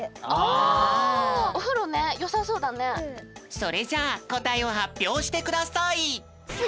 それじゃあこたえをはっぴょうしてください。